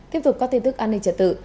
tiếp tục có tin tức an ninh trật tự